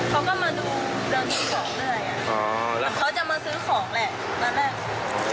เขาก็มาดูเดินซื้อของเรื่อยเขาจะมาซื้อของแหละตอนแรก